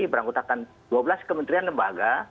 beranggotakan dua belas kementerian lembaga